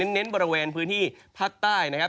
เน้นบริเวณพื้นที่ภาคใต้นะครับ